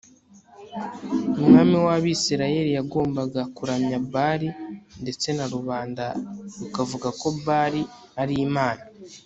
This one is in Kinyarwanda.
umwami wAbisirayeli yagombaga kuramya Bali ndetse na rubanda rukavuga ko Bali ari Imana